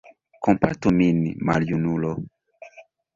Kompatu min, maljunulo!